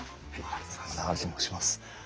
真田ハルと申します。